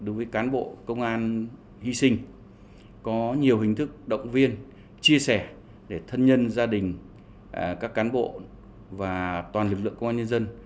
với cán bộ công an hy sinh có nhiều hình thức động viên chia sẻ để thân nhân gia đình các cán bộ và toàn lực lượng công an nhân dân